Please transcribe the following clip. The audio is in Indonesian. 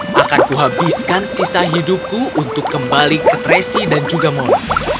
aku akan menghabiskan sisa hidupku untuk kembali ke tracy dan juga molly